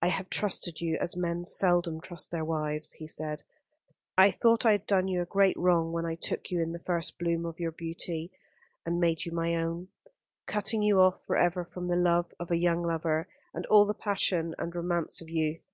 "I have trusted you as men seldom trust their wives," he said. "I thought I had done you a great wrong when I took you in the first bloom of your young beauty and made you my own; cutting you off for ever from the love of a young lover, and all the passion and romance of youth.